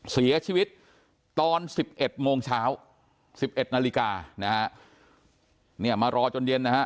เสียชีวิตตอน๑๑โมงเช้า๑๑นาฬิกานะฮะเนี่ยมารอจนเย็นนะฮะ